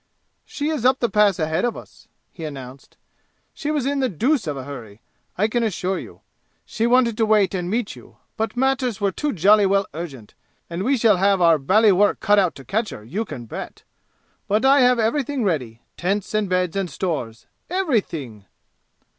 "She is up the Pass ahead of us," he announced. "She was in the deuce of a hurry, I can assure you. She wanted to wait and meet you, but matters were too jolly well urgent, and we shall have our bally work cut out to catch her, you can bet! But I have everything ready tents and beds and stores everything!"